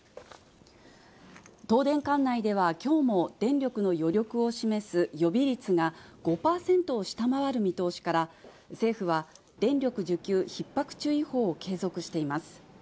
東電管内では、きょうも電力の余力を示す予備率が５％を下回る見通しから、政府は、電力需給ひっ迫注意報を継続しています。